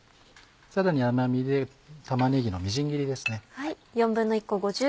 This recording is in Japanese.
さらに甘みで玉ねぎのみじん切りですね。